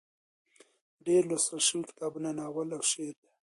ډېر لوستل شوي کتابونه ناول او شعر دي.